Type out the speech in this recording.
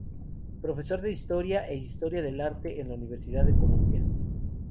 Profesor de historia e historia del arte en la Universidad de Columbia.